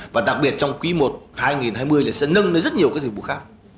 và đặc biệt trong ký một hai nghìn hai mươi sẽ nâng lên rất nhiều cái dịch vụ khác